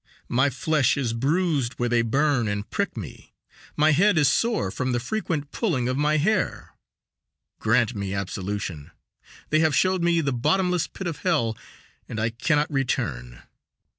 My flesh is bruised where they burn and prick me. My head is sore from the frequent pulling of my hair. Grant me absolution; they have showed me the bottomless pit of hell, and I cannot return!"